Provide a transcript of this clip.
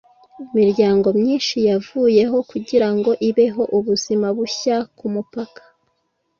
imiryango myinshi yavuyeho kugirango ibeho ubuzima bushya kumupaka